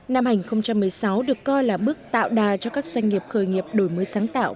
nam hành một mươi sáu được coi là bước tạo đà cho các doanh nghiệp khởi nghiệp đổi mới sáng tạo